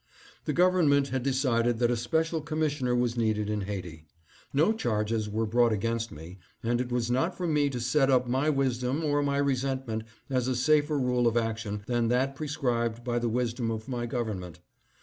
The government had decided that a special commissioner was needed in Haiti. No charges were brought against me, and it was not for me to set up my wisdom or my resentment as a safer rule of action than that prescribed by the wisdom of my government.